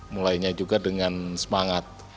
mulainya juga dengan semangat